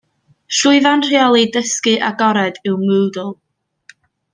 Llwyfan rheoli dysgu agored yw Moodle.